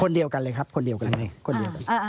คนเดียวกันเลยครับคนเดียวกันเลย